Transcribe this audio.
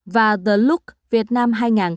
và the look việt nam hai nghìn một mươi bảy